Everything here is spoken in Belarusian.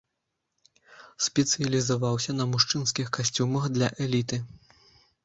Спецыялізаваўся на мужчынскіх касцюмах для эліты.